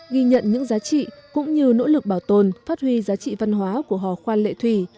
ghi nhận những giá trị cũng như nỗ lực bảo tồn phát huy giá trị văn hóa của hò khoan lệ thủy